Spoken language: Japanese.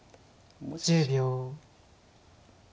１０秒。